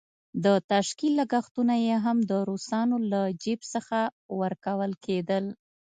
د تشکيل لګښتونه یې هم د روسانو له جېب څخه ورکول کېدل.